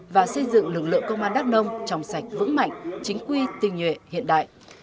và xây dựng lực lượng công an đắk nông trong sạch vững mạnh chính quy tình nhuệ hiện đại